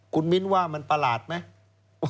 คุณมิ้นว่ามันประหลาดไหม